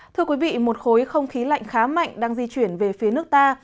thưa quý vị một khối không khí lạnh khá mạnh đang di chuyển về phía nước ta